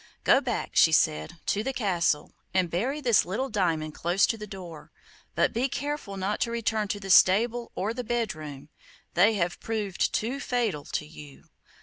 'Go back,' she said, 'to the castle, and bury this little diamond close to the door. But be careful not to return to the stable or to the bedroom; they have proved too fatal to you.